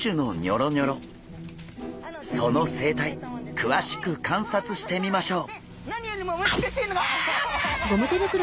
その生態くわしく観察してみましょう！